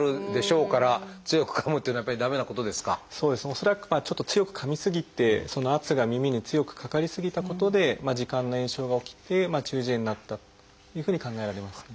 恐らくちょっと強くかみ過ぎてその圧が耳に強くかかり過ぎたことで耳管の炎症が起きて中耳炎になったというふうに考えられますね。